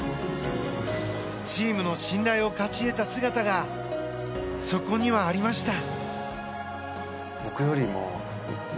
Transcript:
チームの信頼を勝ち得た姿がそこにはありました。